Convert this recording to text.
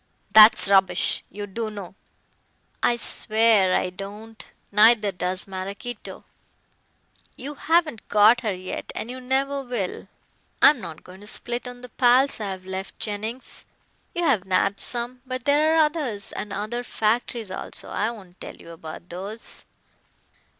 "That's rubbish. You do know." "I swear I don't. Neither does Maraquito. You haven't caught her yet and you never will. I'm not going to split on the pals I have left, Jennings. You have nabbed some, but there are others, and other factories also. I won't tell you about those."